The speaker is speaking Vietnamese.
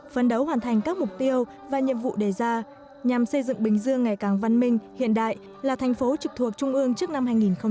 phấn đấu hoàn thành các mục tiêu và nhiệm vụ đề ra nhằm xây dựng bình dương ngày càng văn minh hiện đại là thành phố trực thuộc trung ương trước năm hai nghìn ba mươi